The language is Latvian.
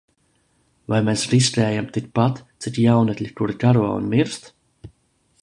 Vai mēs riskējam tikpat, cik jaunekļi, kuri karo un mirst?